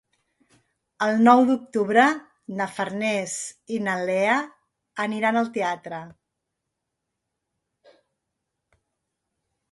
El nou d'octubre na Farners i na Lea aniran al teatre.